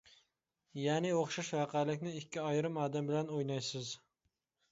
يەنى ئوخشاش ۋەقەلىكنى ئىككى ئايرىم ئادەم بىلەن ئوينايسىز.